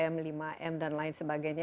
m lima m dan lain sebagainya